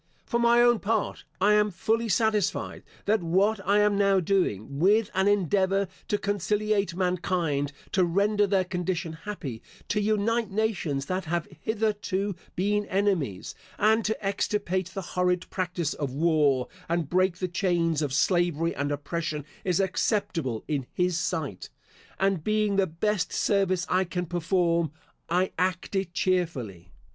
For my own part, I am fully satisfied that what I am now doing, with an endeavour to conciliate mankind, to render their condition happy, to unite nations that have hitherto been enemies, and to extirpate the horrid practice of war, and break the chains of slavery and oppression is acceptable in his sight, and being the best service I can perform, I act it cheerfully.